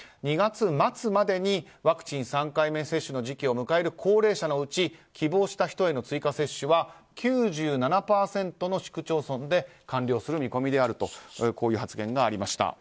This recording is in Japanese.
２月末までにワクチン３回目接種の時期を迎える高齢者のうち希望した人への追加接種は９７％の市区町村で完了する見込みであるとこういう発言がありました。